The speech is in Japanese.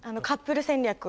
カップル戦略！？